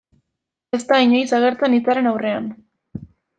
Ez da inoiz agertzen hitzaren aurrean.